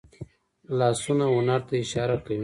لاسونه هنر ته اشاره کوي